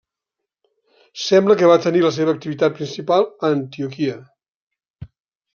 Sembla que va tenir la seva activitat principal a Antioquia.